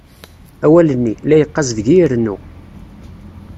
Awal-nni, la yeqqaz deg-i irennu.